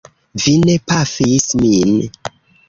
Vi ne pafis min!